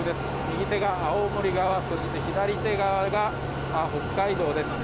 右手が青森側そして、左手側が北海道です。